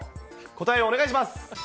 答えをお願いします。